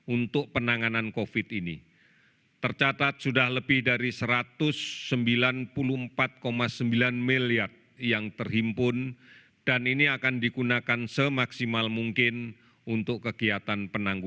untuk penangkapan kesehatan